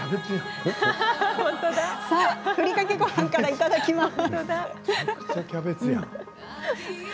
さあ、ふりかけごはんいただきます。